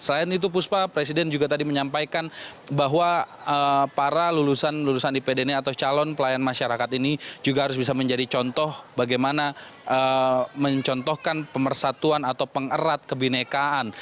selain itu puspa presiden juga tadi menyampaikan bahwa para lulusan lulusan ipd ini atau calon pelayan masyarakat ini juga harus bisa menjadi contoh bagaimana mencontohkan pemersatuan atau pengerat kebinekaan